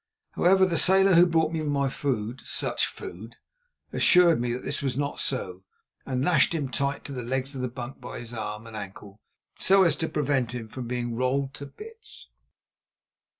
However, the sailor who brought me my food—such food!—assured me that this was not so, and lashed him tight to the legs of the bunk by his arm and ankle so as to prevent him from being rolled to bits.